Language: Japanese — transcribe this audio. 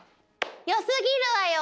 よすぎるわよ！